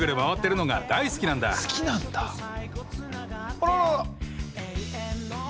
あららら。